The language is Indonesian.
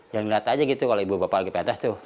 jangan lihat aja gitu kalau ibu bapak lagi pentas tuh